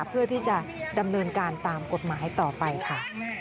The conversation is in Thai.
เพื่อที่จะดำเนินการตามกฎหมายต่อไปค่ะ